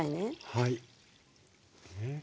はい。